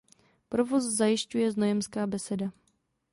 Provoz zajišťuje Znojemská Beseda.